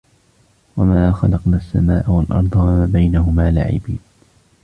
وَمَا خَلَقْنَا السَّمَاءَ وَالْأَرْضَ وَمَا بَيْنَهُمَا لَاعِبِينَ